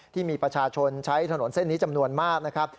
ที่มีประชาชนใช้ถนนเส้นนี้จำนวนมากนะครับ